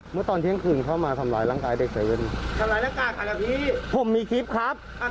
เฮ้อเจ้าขนาดไหนน่ะ